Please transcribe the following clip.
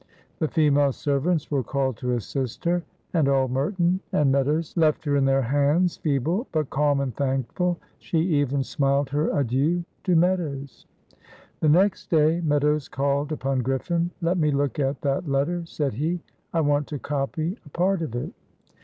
The female servants were called to assist her, and old Merton and Meadows left her in their hands, feeble, but calm and thankful. She even smiled her adieu to Meadows. The next day Meadows called upon Griffin. "Let me look at that letter?" said he. "I want to copy a part of it."